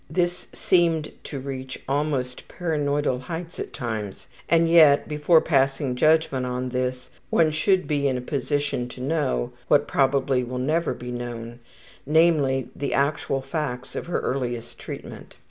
This seemed to reach almost paranoidal heights at times, and yet, before passing judgment on this, one should be in position to know, what probably will never be known, namely, the actual facts of her earliest treatment.